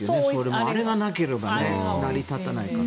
あれがなければ成り立たないから。